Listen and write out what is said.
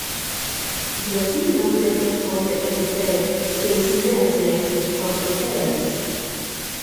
Διατί να μη εξασκώνται αι μικραί και εις νέας λέξεις, ορθοτέρας